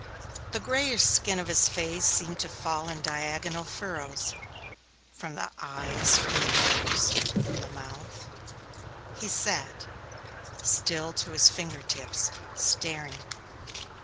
The grayish skin of his face seemed to fall in diagonal furrows, from the eyes, from the nose, from the mouth. He sat, still to his finger tips, staring.